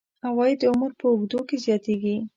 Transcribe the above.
عواید د عمر په اوږدو کې زیاتیږي.